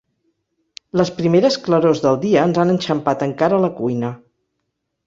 Les primeres clarors del dia ens han enxampat encara a la cuina.